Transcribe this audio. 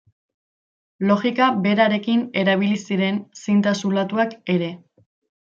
Logika berarekin erabili ziren zinta zulatuak ere.